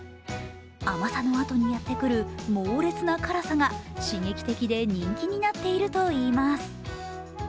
甘さのあとにやってくる猛烈な辛さが刺激的で人気になっているといいます。